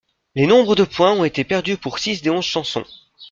Les nombres de points ont été perdus pour six des onze chansons.